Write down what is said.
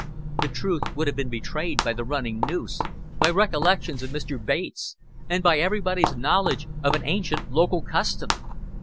The truth would have been betrayed by the running noose, by recollections of Mr. Bates, and by everybody's knowledge of an ancient local custom.